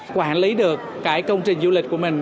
quản lý được công trình du lịch của mình